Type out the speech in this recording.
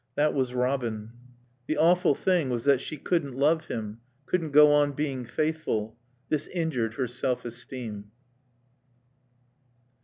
That was Robin. The awful thing was that she couldn't love him, couldn't go on being faithful. This injured her self esteem.